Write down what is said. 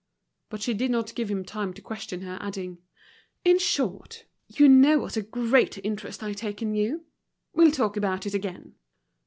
But she did not give him time to question her, adding: "In short, you know what a great interest I take in you. We'll talk about it again."